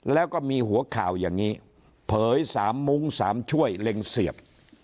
แล้วก็มีหัวข่าวอย่างนี้เผย๓มุ้ง๓ช่วยเล็งเสียบ